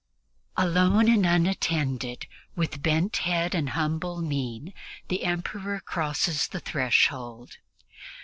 Alone and unattended, with bent head and humble mien, the Emperor crosses the threshold.